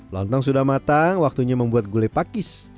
lontong sudah matang waktunya membuat gulai pakis